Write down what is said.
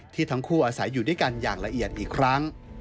ทั้งคู่อาศัยอยู่ด้วยกันอย่างละเอียดอีกครั้ง